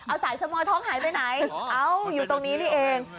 เอาสายสมอยท้องหายไปไหนเอ้าอยู่ตรงนี้นี่เอง